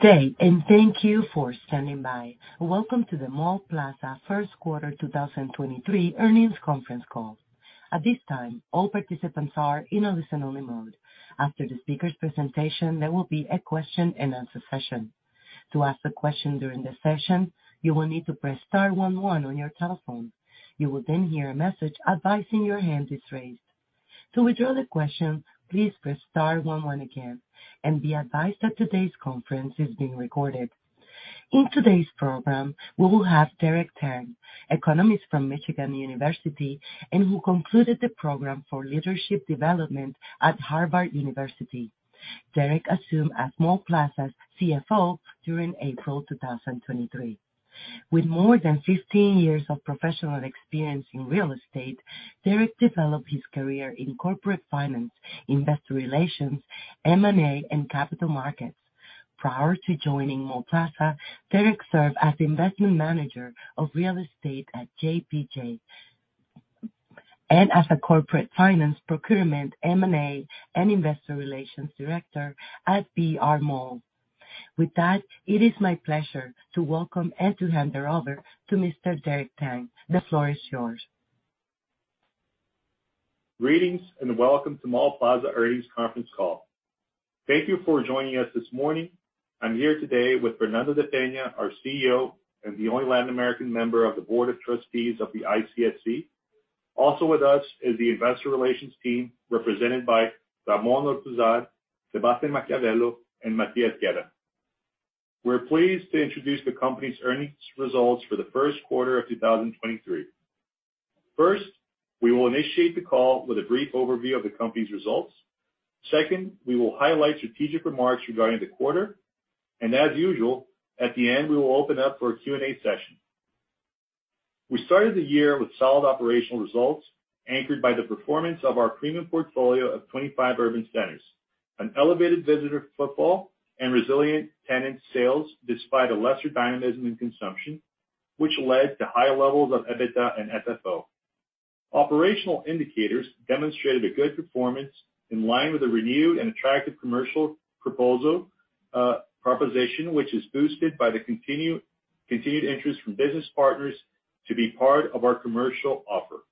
Good day, and thank you for standing by. Welcome to the Mall Plaza First Quarter 2023 Earnings Conference Call. At this time, all participants are in a listen-only mode. After the speaker's presentation, there will be a question-and-answer session. To ask a question during the session, you will need to press star one, one on your telephone. You will then hear a message advising your hand is raised. To withdraw the question, please press star one, one again. Be advised that today's conference is being recorded. In today's program, we will have Derek Tang, economist from Michigan University and who concluded the program for leadership development at Harvard University. Derek assumed as Mall Plaza's CFO during April 2023. With more than 15-years of professional experience in real estate, Derek developed his career in corporate finance, investor relations, M&A, and capital markets. Prior to joining Mall Plaza, Derek served as investment manager of real estate at JPJ and as a corporate finance procurement, M&A, and investor relations director at BR Mall. With that, it is my pleasure to welcome and to hand it over to Mr. Derek Tang. The floor is yours. Greetings and welcome to Mall Plaza Earnings Conference Call. Thank you for joining us this morning. I'm here today with Fernando de Peña, our CEO and the only Latin American member of the Board of Trustees of the ICSC. Also with us is the Investor Relations team represented by Ramón López-Alba, Sebastián Maquiavelo, and Matías Guerra. We're pleased to introduce the company's earnings results for the first quarter of 2023. First, we will initiate the call with a brief overview of the company's results. Second, we will highlight strategic remarks regarding the quarter. As usual, at the end, we will open up for a Q&A session. We started the year with solid operational results anchored by the performance of our premium portfolio of 25 urban centers, an elevated visitor footfall, and resilient tenant sales despite a lesser dynamism in consumption, which led to high levels of EBITDA and FFO. Operational indicators demonstrated a good performance in line with a renewed and attractive commercial proposition, which is boosted by the continued interest from business partners to be part of our commercial offer.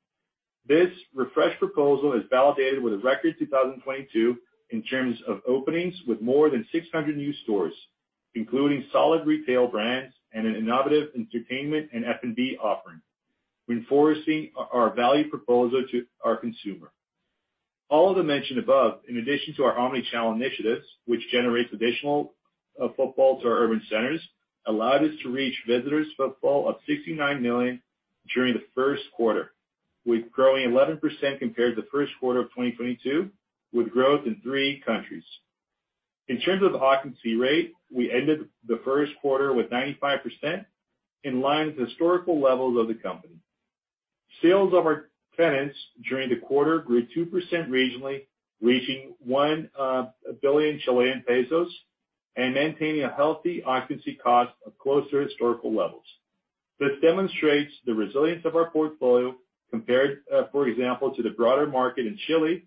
This refreshed proposal is validated with a record 2022 in terms of openings with more than 600 new stores, including solid retail brands and an innovative entertainment and F&B offering, reinforcing our value proposal to our consumer. All of the mentioned above, in addition to our omnichannel initiatives, which generates additional footfall to our urban centers, allowed us to reach visitors' footfall of 69 million during the first quarter, with growing 11% compared to the first quarter of 2022, with growth in three countries. In terms of occupancy rate, we ended the first quarter with 95%, in line with historical levels of the company. Sales of our tenants during the quarter grew 2% regionally, reaching 1 billion Chilean pesos and maintaining a healthy occupancy cost of close to historical levels. This demonstrates the resilience of our portfolio compared, for example, to the broader market in Chile,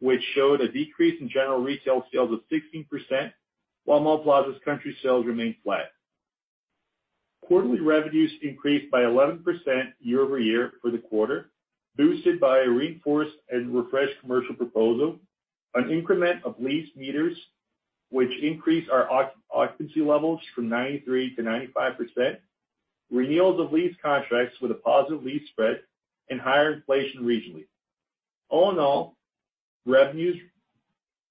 which showed a decrease in general retail sales of 16%, while Mall Plaza's country sales remained flat. Quarterly revenues increased by 11% year over year for the quarter, boosted by a reinforced and refreshed commercial proposal, an increment of lease meters, which increased our occupancy levels from 93% to 95%, renewals of lease contracts with a positive lease spread, and higher inflation regionally. All in all, revenues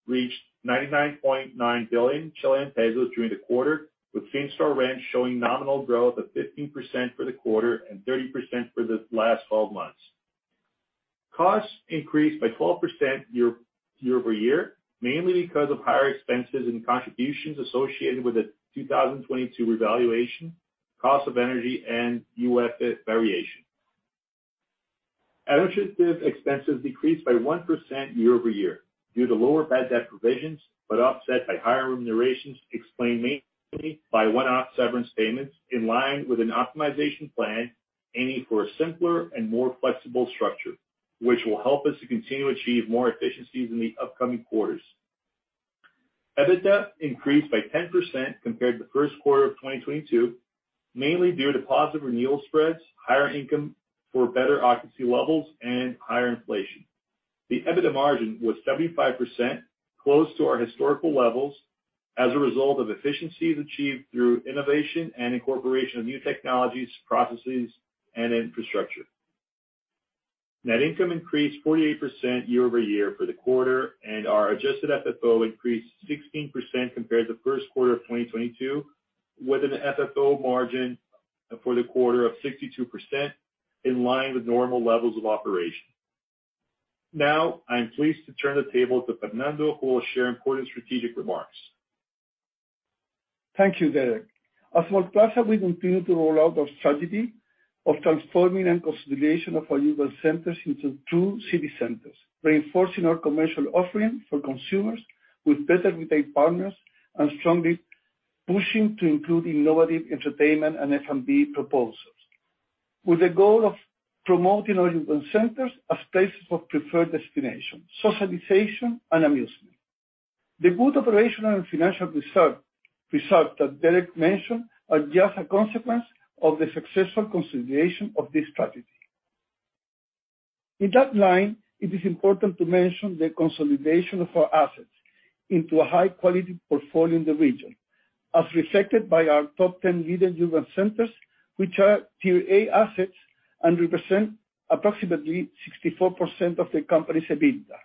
reached 99.9 billion Chilean pesos during the quarter, with FinStar Rent showing nominal growth of 15% for the quarter and 30% for the last 12 months. Costs increased by 12% year-over-year, mainly because of higher expenses and contributions associated with the 2022 revaluation, cost of energy, and UF variation. Administrative expenses decreased by 1% year-over-year due to lower bad debt provisions, but offset by higher remunerations explained mainly by one-off severance payments in line with an optimization plan aiming for a simpler and more flexible structure, which will help us to continue to achieve more efficiencies in the upcoming quarters. EBITDA increased by 10% compared to the first quarter of 2022, mainly due to positive renewal spreads, higher income for better occupancy levels, and higher inflation. The EBITDA margin was 75%, close to our historical levels as a result of efficiencies achieved through innovation and incorporation of new technologies, processes, and infrastructure. Net income increased 48% year-over-year for the quarter, and our adjusted FFO increased 16% compared to the first quarter of 2022, with an FFO margin for the quarter of 62%, in line with normal levels of operation. Now, I'm pleased to turn the table to Fernando, who will share important strategic remarks. Thank you, Derek. At Mall Plaza, we continue to roll out our strategy of transforming and consolidation of our urban centers into true city centers, reinforcing our commercial offering for consumers with better retail partners and strongly pushing to include innovative entertainment and F&B proposals, with the goal of promoting our urban centers as places of preferred destination, socialization, and amusement. The good operational and financial results that Derek mentioned are just a consequence of the successful consolidation of this strategy. In that line, it is important to mention the consolidation of our assets into a high-quality portfolio in the region, as reflected by our top 10 leading urban centers, which are Tier A assets and represent approximately 64% of the company's EBITDA.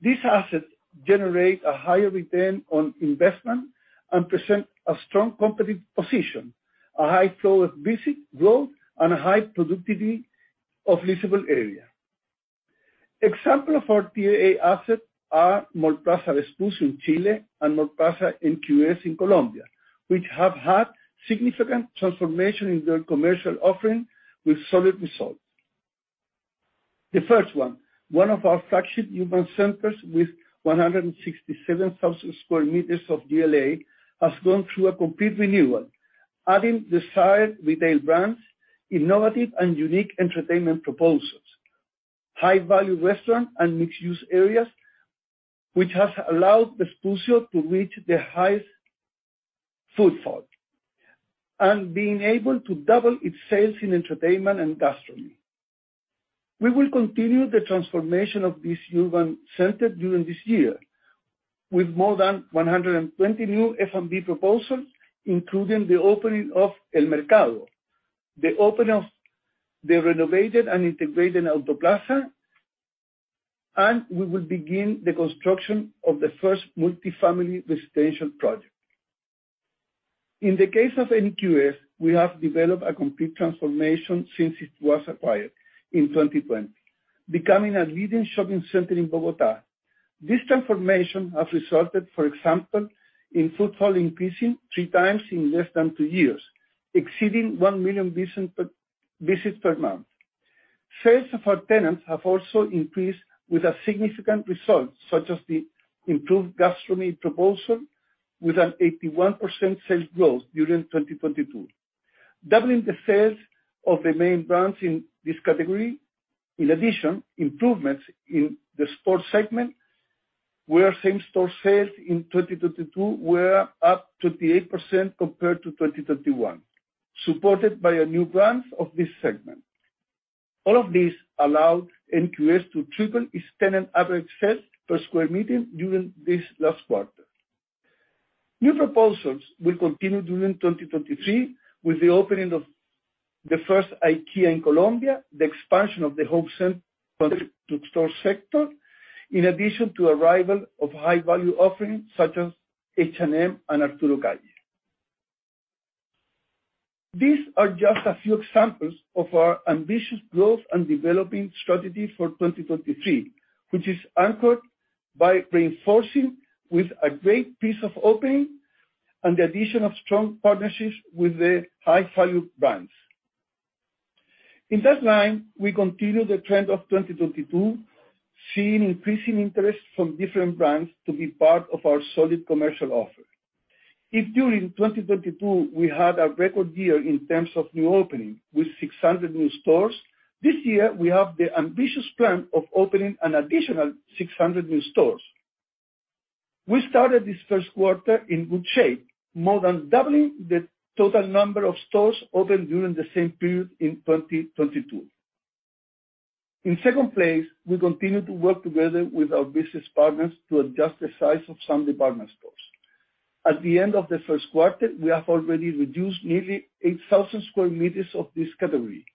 These assets generate a higher return on investment and present a strong competitive position, a high flow of visit growth, and a high productivity of leasable area. Examples of our Tier A assets are Mall Plaza Vespucio in Chile and Mall Plaza NQS in Colombia, which have had significant transformation in their commercial offering with solid results. The first one, one of our flagship urban centers with 167,000 sq m of GLA, has gone through a complete renewal, adding desired retail brands, innovative and unique entertainment proposals, high-value restaurant and mixed-use areas, which has allowed Vespucio to reach the highest footfall and being able to double its sales in entertainment and gastronomy. We will continue the transformation of this urban center during this year with more than 120 new F&B proposals, including the opening of El Mercado, the opening of the renovated and integrated Alto Plaza, and we will begin the construction of the first multi-family residential project. In the case of NQS, we have developed a complete transformation since it was acquired in 2020, becoming a leading shopping center in Bogotá. This transformation has resulted, for example, in footfall increasing 3x in less than two years, exceeding 1 million visits per month. Sales of our tenants have also increased with significant results, such as the improved gastronomy proposal with an 81% sales growth during 2022, doubling the sales of the main brands in this category. In addition, improvements in the sports segment, where same-store sales in 2022 were up 28% compared to 2021, supported by a new brand of this segment. All of these allowed NQS to triple its tenant average sales per square meter during this last quarter. New proposals will continue during 2023, with the opening of the first IKEA in Colombia, the expansion of the whole central store sector, in addition to the arrival of high-value offerings such as H&M and Arturo Calle. These are just a few examples of our ambitious growth and developing strategy for 2023, which is anchored by reinforcing with a great piece of opening and the addition of strong partnerships with the high-value brands. In that line, we continue the trend of 2022, seeing increasing interest from different brands to be part of our solid commercial offer. If during 2022 we had a record year in terms of new opening with 600 new stores, this year we have the ambitious plan of opening an additional 600 new stores. We started this first quarter in good shape, more than doubling the total number of stores opened during the same period in 2022. In second place, we continue to work together with our business partners to adjust the size of some department stores. At the end of the first quarter, we have already reduced nearly 8,000 sq m of this category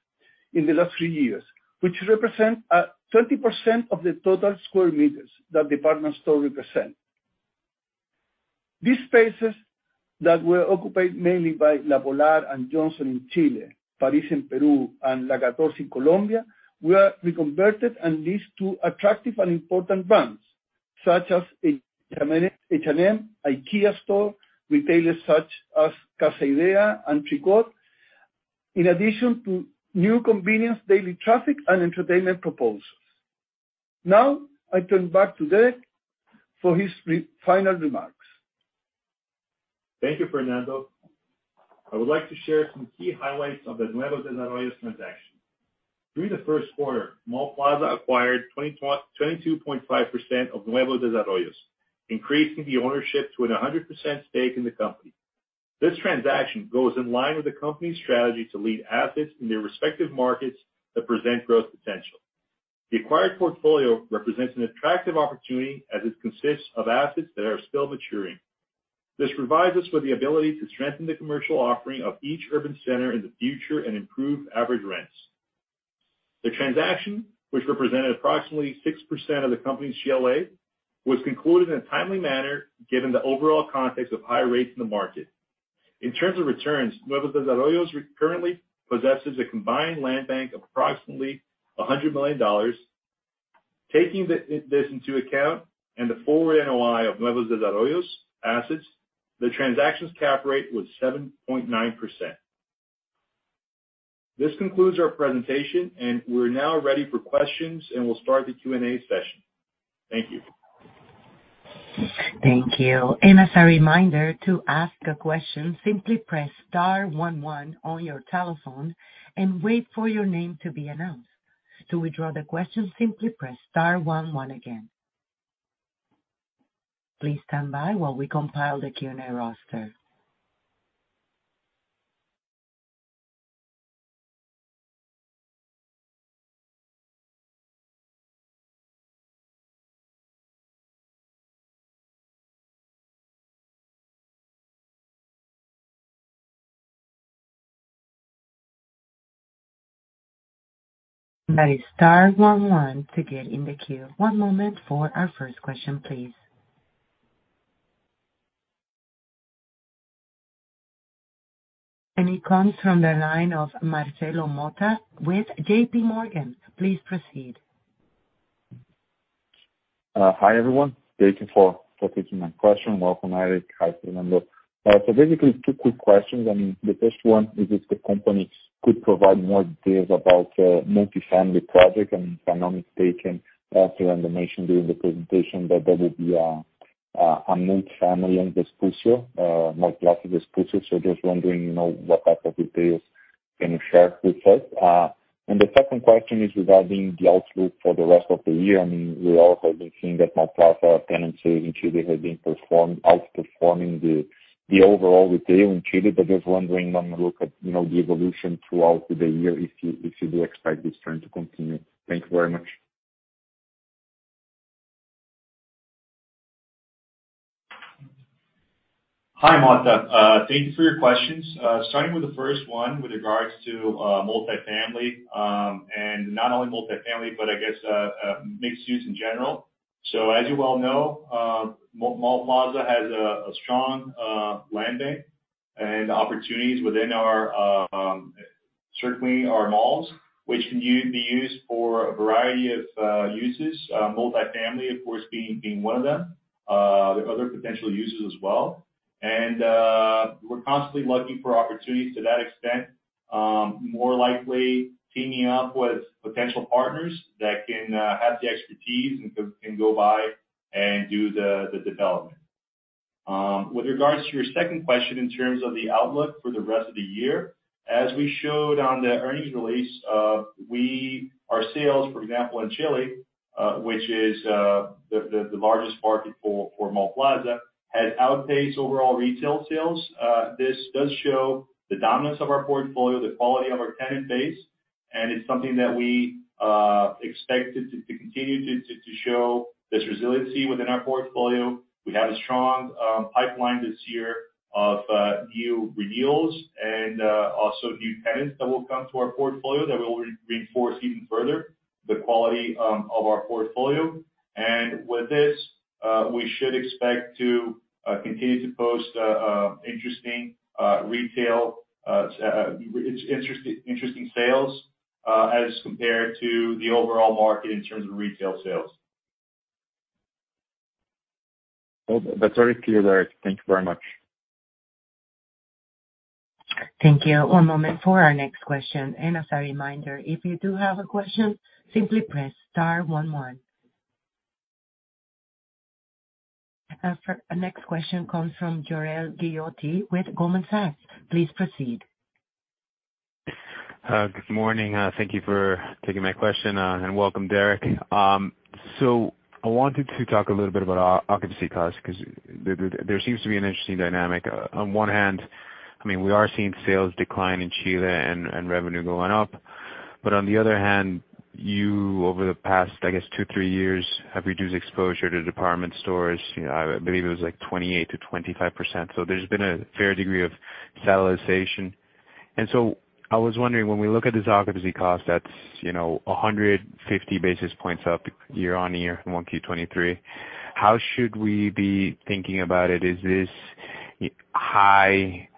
in the last three years, which represents 20% of the total sq m that department stores represent. These spaces that were occupied mainly by La Polar and Johnson in Chile, Paris in Peru, and La 14 in Colombia were reconverted and leased to attractive and important brands such as H&M, IKEA, retailers such as Casa Ideas and Tricot, in addition to new convenience daily-traffic and entertainment proposals. Now, I turn back to Derek for his final remarks. Thank you, Fernando. I would like to share some key highlights of the Nuevos Desarrollos transaction. During the first quarter, Mall Plaza acquired 22.5% of Nuevos Desarrollos, increasing the ownership to a 100% stake in the company. This transaction goes in line with the company's strategy to lead assets in their respective markets that present growth potential. The acquired portfolio represents an attractive opportunity as it consists of assets that are still maturing. This provides us with the ability to strengthen the commercial offering of each urban center in the future and improve average rents. The transaction, which represented approximately 6% of the company's GLA, was concluded in a timely manner given the overall context of high rates in the market. In terms of returns, Nuevos Desarrollos currently possesses a combined land bank of approximately $100 million. Taking this into account and the forward NOI of Nuevos Desarrollos assets, the transaction's cap rate was 7.9%. This concludes our presentation, and we're now ready for questions, and we'll start the Q&A session. Thank you. Thank you. As a reminder, to ask a question, simply press star one, one on your telephone and wait for your name to be announced. To withdraw the question, simply press star one, one again. Please stand by while we compile the Q&A roster. That is star 11 to get in the queue. One moment for our first question, please. It comes from the line of Marcelo Motta with J.P. Morgan. Please proceed. Hi, everyone. Thank you for taking my question. Welcome, Derek. Hi, Fernando. Basically, two quick questions. I mean, the first one is if the company could provide more details about the multi-family project. I mean, if I'm not mistaken, Arthur and Dominique mentioned during the presentation that there will be a multi-family in Vespucio, Mall Plaza Vespucio. Just wondering what type of details can you share with us? The second question is regarding the outlook for the rest of the year. I mean, we also have been seeing that Mall Plaza tenancy in Chile has been outperforming the overall retail in Chile, just wondering when we look at the evolution throughout the year, if you do expect this trend to continue. Thank you very much. Hi, Motta. Thank you for your questions. Starting with the first one with regards to multi-family, and not only multi-family, but I guess mixed use in general. As you well know, Mall Plaza has a strong land bank and opportunities within certainly our malls, which can be used for a variety of uses, multi-family, of course, being one of them. There are other potential uses as well. We are constantly looking for opportunities to that extent, more likely teaming up with potential partners that can have the expertise and can go by and do the development. With regards to your second question in terms of the outlook for the rest of the year, as we showed on the earnings release, our sales, for example, in Chile, which is the largest market for Mall Plaza, has outpaced overall retail sales. This does show the dominance of our portfolio, the quality of our tenant base, and it is something that we expected to continue to show this resiliency within our portfolio. We have a strong pipeline this year of new renewals and also new tenants that will come to our portfolio that will reinforce even further the quality of our portfolio. With this, we should expect to continue to post interesting retail sales as compared to the overall market in terms of retail sales. That's very clear, Derek. Thank you very much. Thank you. One moment for our next question. As a reminder, if you do have a question, simply press star one, one. Next question comes from Jorel Guilloty with Goldman Sachs. Please proceed. Good morning. Thank you for taking my question and welcome, Derek. I wanted to talk a little bit about occupancy costs because there seems to be an interesting dynamic. On one hand, I mean, we are seeing sales decline in Chile and revenue going up. On the other hand, you, over the past, I guess, two, three years, have reduced exposure to department stores. I believe it was like 28% to 25%. There has been a fair degree of satirization. I was wondering, when we look at this occupancy cost that is 150 basis points up year-on-year, Q1 2023, how should we be thinking about it? Is this high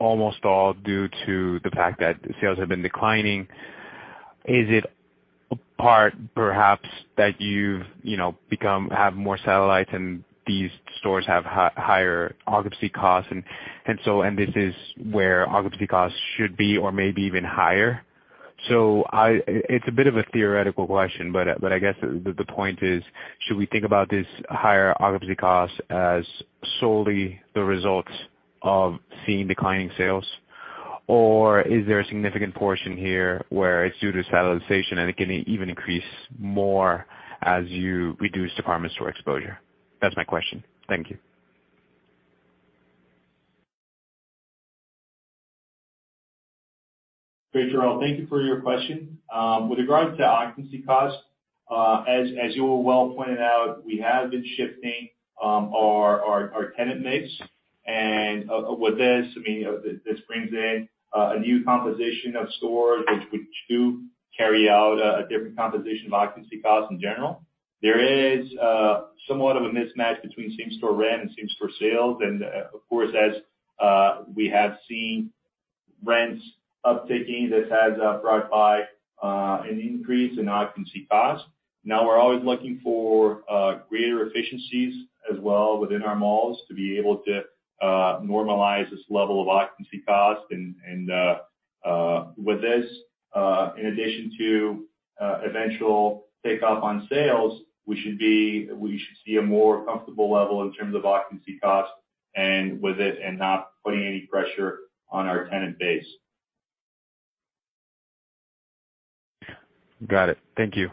almost all due to the fact that sales have been declining? Is it part perhaps that you have more satellites and these stores have higher occupancy costs? Is this where occupancy costs should be or maybe even higher? It is a bit of a theoretical question, but I guess the point is, should we think about this higher occupancy cost as solely the result of seeing declining sales? Or is there a significant portion here where it is due to saturation and it can even increase more as you reduce department store exposure? That is my question. Thank you. Great, Jorel. Thank you for your question. With regards to occupancy costs, as you well pointed out, we have been shifting our tenant mix. And with this, I mean, this brings in a new composition of stores which do carry out a different composition of occupancy costs in general. There is somewhat of a mismatch between same-store rent and same-store sales. Of course, as we have seen rents uptaking, this has brought by an increase in occupancy costs. Now, we're always looking for greater efficiencies as well within our malls to be able to normalize this level of occupancy cost. With this, in addition to eventual takeoff on sales, we should see a more comfortable level in terms of occupancy costs and with it and not putting any pressure on our tenant base. Got it. Thank you.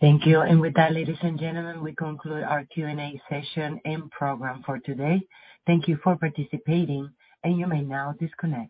Thank you. With that, ladies and gentlemen, we conclude our Q&A session and program for today. Thank you for participating, and you may now disconnect.